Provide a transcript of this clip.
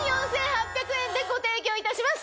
でご提供いたします。